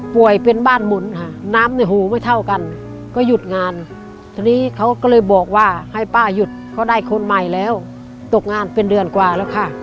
เป็นบ้านหมุนค่ะน้ำในหูไม่เท่ากันก็หยุดงานทีนี้เขาก็เลยบอกว่าให้ป้าหยุดเขาได้คนใหม่แล้วตกงานเป็นเดือนกว่าแล้วค่ะ